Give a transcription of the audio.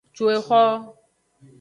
Cu exo.